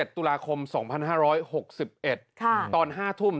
ตุลาคม๒๕๖๑ตอน๕ทุ่ม